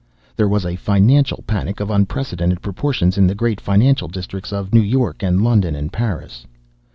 There was a financial panic of unprecedented proportions in the great financial districts of New York and London and Paris.